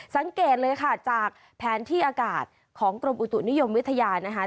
สังเกตเลยค่ะจากแผนที่อากาศของกรมอุตุนิยมวิทยานะคะ